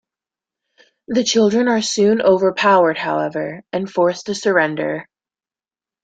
The children are soon overpowered, however, and forced to surrender.